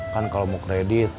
kan kalo mau kredit